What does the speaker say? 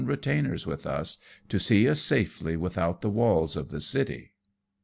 retainers with us, to see us safely without the walls of the city.